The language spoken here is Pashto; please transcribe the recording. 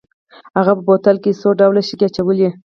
هغه په بوتل کې څو ډوله شګې اچولې.